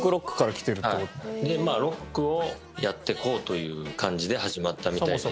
ロックをやっていこうという感じで始まったみたいです。